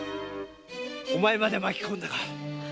お前までまき込んだか！